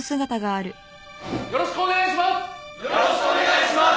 よろしくお願いします！